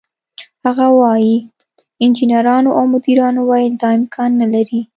هغه وايي: "انجنیرانو او مدیرانو ویل دا امکان نه لري،